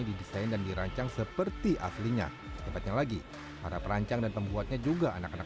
didesain dan dirancang seperti aslinya secepatnya lagi para perancang dan pembuatnya juga anak anak